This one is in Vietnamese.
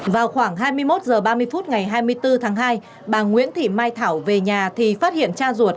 vào khoảng hai mươi một h ba mươi phút ngày hai mươi bốn tháng hai bà nguyễn thị mai thảo về nhà thì phát hiện cha ruột